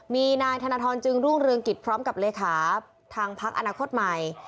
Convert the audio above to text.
มีนายธนทรจึงรุ่งเรืองกิจพร้อมกับเลขาทางพักอนาคตใหม่